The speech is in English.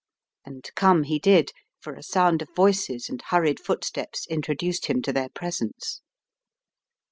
And come he did, for a sound of voices and hurried footsteps introduced him to their presence.